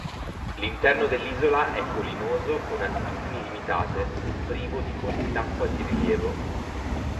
L'interno dell'isola è collinoso con altitudini limitate, privo di corsi d'acqua di rilievo.